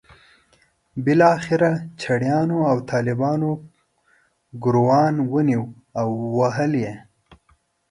بالاخره چړیانو او طالبانو ګوروان ونیو او وهل یې.